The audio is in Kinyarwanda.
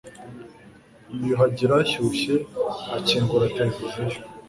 Yiyuhagira ashyushye akingura televiziyo.